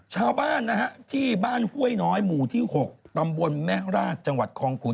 ชาวบ้านนะฮะที่บ้านห้วยน้อยหมู่ที่๖ตำบลแม่ราชจังหวัดคองขุน